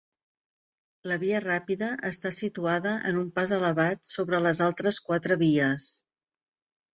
La via ràpida està situada en un pas elevat sobre les altres quatre vies.